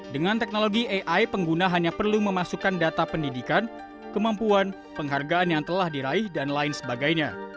dengan teknologi ai pengguna hanya perlu memasukkan data pendidikan kemampuan penghargaan yang telah diraih dan lain sebagainya